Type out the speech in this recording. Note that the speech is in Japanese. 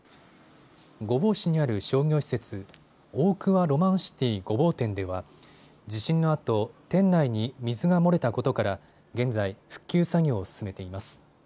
御坊市にある商業施設、オークワロマンシティ御坊店では地震のあと店内に水が漏れたことから現在、復旧作業を進めています。